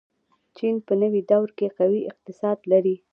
چین په نوې دور کې قوي اقتصاد لري.